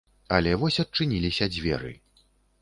Але вось адчыніліся дзверы.